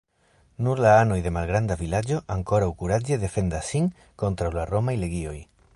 Nur la anoj de malgranda vilaĝo ankoraŭ kuraĝe defendas sin kontraŭ la romaj legioj.